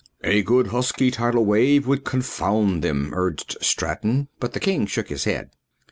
"A good husky tidal wave would confound them," urged Straton, but the king shook his head.